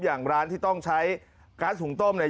อย่างร้านที่ต้องใช้ก๊าซหุงต้มเนี่ย